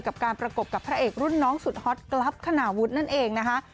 กับการประกบกับพระเอกรุ่นน้องสุดฮอตกรัฟคณาวุฒินั่นเองนะคะ